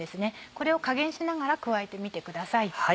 これを加減しながら加えてみてください。